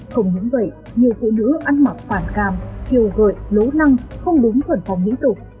không những vậy nhiều phụ nữ ăn mặc phản càm khiêu gợi lố năng không đúng thuận phòng dĩ tục